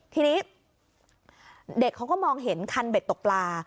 ทีนี้เด็กเขาก็มองเห็นคันเบ็ดตกปลา